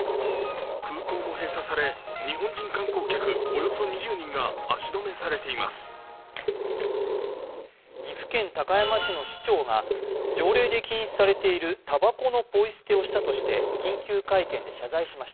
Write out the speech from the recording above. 空港も閉鎖され日本人観光客およそ２０人が足止めされています。